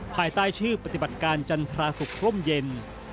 ภายใต้ชื่อปฏิบัติการจันทราศุกร์ร่มเย็น